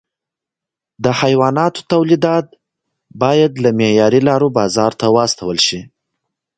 د حیواناتو تولیدات باید له معیاري لارو بازار ته واستول شي.